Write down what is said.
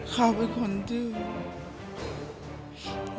เขาเป็นคนดื่ม